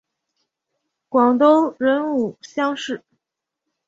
广东壬午乡试。